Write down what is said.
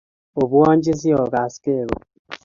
Obwanji si ogasge kot.